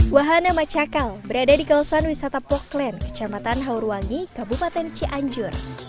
wahana macakal berada di kawasan wisata poh klen kecamatan hauruwangi kabupaten cianjur